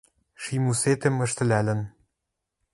Шим усетӹм ӹштӹлӓлӹн